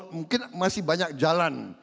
mungkin masih banyak jalan